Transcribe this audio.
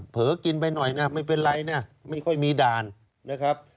เผลอกินไปหน่อยนะไม่เป็นไรนะไม่ค่อยมีด่านนะครับ